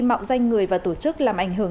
mạo danh người và tổ chức làm ảnh hưởng